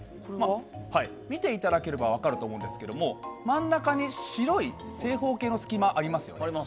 見ていただければ分かると思うんですが真ん中に白い正方形の隙間がありますよね。